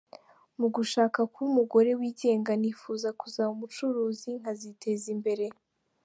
Mu gushaka kuba umugore wigenga nifuza kuzaba umucuruzi nkaziteza imbere.